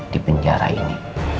di penjara ini